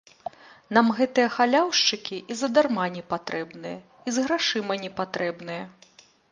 Нам гэтыя халяўшчыкі і задарма непатрэбныя і з грашыма не патрэбныя.